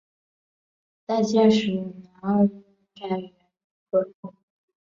在建始五年二月改元河平。